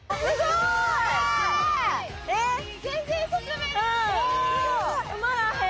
すごい！